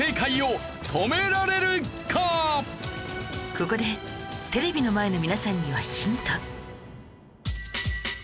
ここでテレビの前の皆さんにはヒント